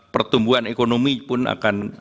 pertumbuhan ekonomi pun akan